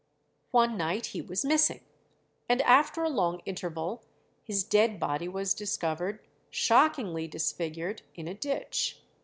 One night he was missing, and after a long interval his dead body was discovered, shockingly disfigured, in a ditch.